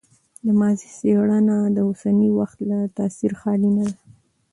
د ماضي څېړنه د اوسني وخت له تاثیره خالي نه ده.